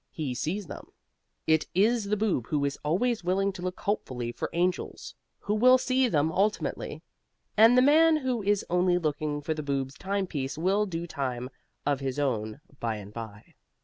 HE SEES THEM It is the Boob who is always willing to look hopefully for angels who will see them ultimately. And the man who is only looking for the Boob's timepiece will do time of his own by and by.